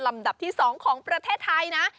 ลำดับที่๒ของประเทศไทยนะ